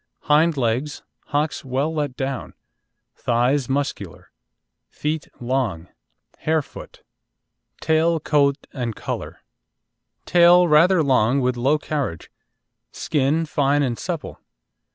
Hind legs, hocks well let down; thighs muscular. Feet long hare foot. TAIL, COAT AND COLOUR Tail rather long and with low carriage. Skin fine and supple.